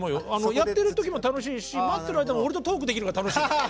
やってる時も楽しいし待ってる間も俺とトークできるから楽しい。